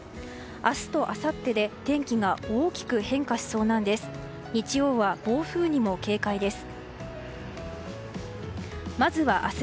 明日とあさってで天気が大きく変化しそうなんです。